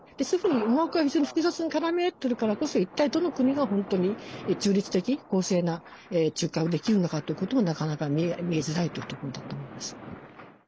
思惑が複雑に複雑に絡み合っているからこそ一体どの国が本当に中立的公正な仲介ができるのかということがなかなか見えづらいというところだと思います。